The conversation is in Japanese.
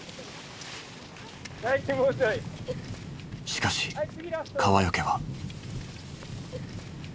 しかし川除は。